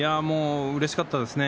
うれしかったですね。